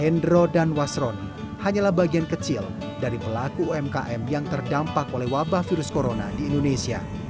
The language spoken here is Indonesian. hendro dan wasroni hanyalah bagian kecil dari pelaku umkm yang terdampak oleh wabah virus corona di indonesia